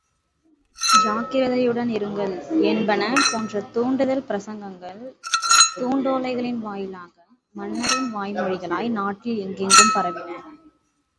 ஜாக்கிரதையுடன் இருங்கள்! என்பன போன்ற தூண்டுதல் பிரசங்கங்கள், துண்டோலைகளின் வாயிலாக மன்னரின் வாய்மொழிகளாய் நாட்டில் எங்கெங்கும் பரவின.